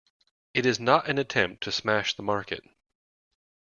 It is not an attempt to smash the market.